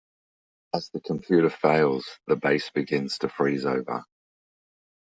As the computer fails, the base begins to freeze over.